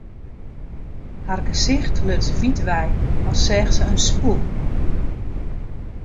Har gesicht luts wyt wei, as seach se in spûk.